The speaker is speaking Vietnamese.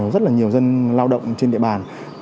rất là nhiều dân lao động trên địa bàn